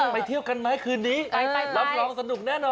เที่ยวกันไหมคืนนี้รับรองสนุกแน่นอน